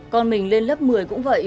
con mình lên lớp một mươi cũng vậy